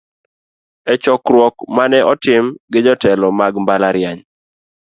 E chokruok manene otim gi jotelo mag mbalariany.